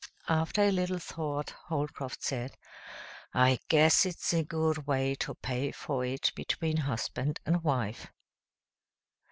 After a little thought Holcroft said, "I guess it's a good way to pay for it between husband and wife."